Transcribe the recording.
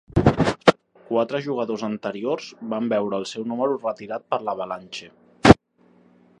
Quatre jugadors anteriors van veure el seu número retirat per l"Avalanche.